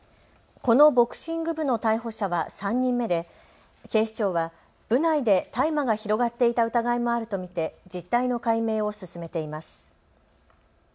このボクシング部の逮捕者は３人目で警視庁は部内で大麻が広がっていた疑いもあると見て実態の解明を進めています。